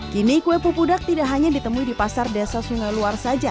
kini kue pupudak tidak hanya ditemui di pasar desa sungai luar saja